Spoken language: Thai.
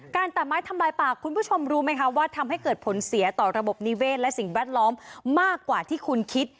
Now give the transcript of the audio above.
ตัดไม้ทำลายปากคุณผู้ชมรู้ไหมคะว่าทำให้เกิดผลเสียต่อระบบนิเวศและสิ่งแวดล้อมมากกว่าที่คุณคิด